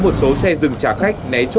bữa chiều là thăm mấy giờ